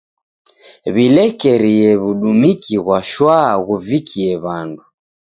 W'ilekerie w'udumiki ghwa shwaa ghuvikie w'andu.